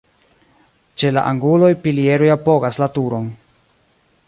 Ĉe la anguloj pilieroj apogas la turon.